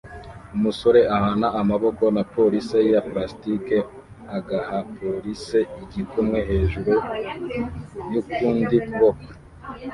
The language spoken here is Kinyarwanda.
Umusore ahana amaboko napoliceya plastike agahapoliceigikumwe hejuru yukundi kuboko